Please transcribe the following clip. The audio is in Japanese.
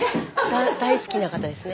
大好きな方ですね。